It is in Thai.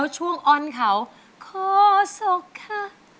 ช่วงอ้อนเขาโคศกค่ะ